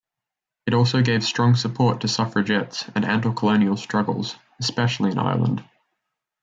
It also gave strong support to suffragettes and to anticolonial struggles, especially in Ireland.